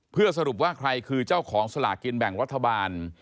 เพื่อสรุปว่าใครคือเจ้าของสลากินแบ่งรัฐบาล